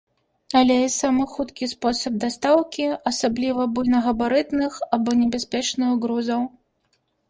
Але і самы хуткі спосаб дастаўкі, асабліва буйнагабарытных або небяспечных грузаў.